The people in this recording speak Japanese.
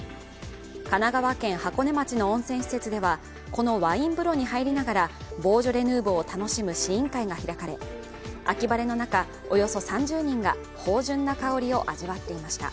神奈川県箱根町の温泉施設ではこのワイン風呂に入りながらボージョレ・ヌーボーを楽しむ試飲会が開かれ秋晴れの中、およそ３０人が芳じゅんな香りを味わっていました。